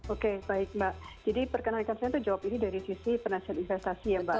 oke baik mbak jadi perkenarikan saya itu jawab ini dari sisi penasihat investasi ya mbak